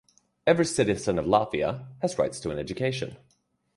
Every citizen of Latvia has rights to an education.